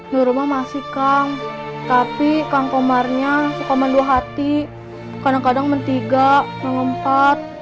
nurma masih kang tapi kang komarnya suka mendua hati kadang kadang mentiga mengempat